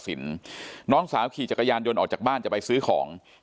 ตัดกับถนนกรณวลกรสินน้องสาวขี่จักรยานยนต์ออกจากบ้านจะไปซื้อของ